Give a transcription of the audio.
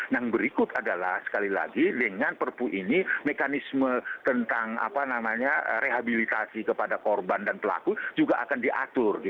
yang berikut adalah sekali lagi dengan perpu ini mekanisme tentang rehabilitasi kepada korban dan pelaku juga akan diatur